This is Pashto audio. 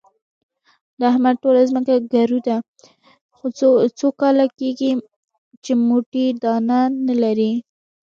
د احمد ټوله ځمکه ګرو ده، څو کاله کېږي چې موټی دانه نه لري.